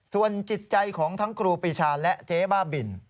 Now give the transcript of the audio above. ส่วนจิตใจของทั้งครูปีชาและเจ๊บ้าบิน